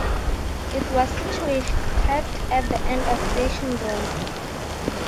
It was situated at the end of Station Road.